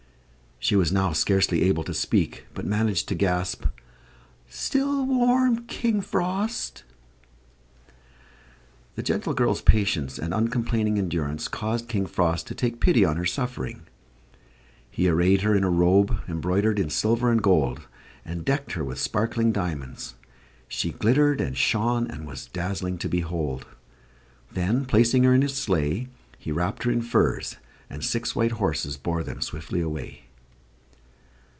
She was now scarcely able to speak, but managed to gasp, "Still warm, King Frost." The gentle girl's patience and uncomplaining endurance caused King Frost to take pity on her suffering. He arrayed her in a robe, embroidered in silver and gold, and decked her with sparkling diamonds. She glittered and shone, and was dazzling to behold. Then placing her in his sleigh, he wrapped her in furs; and six white horses bore them swiftly away.